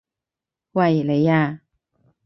喂！你啊！